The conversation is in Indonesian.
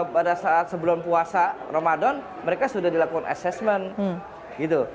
pada saat sebelum puasa ramadan mereka sudah dilakukan assessment gitu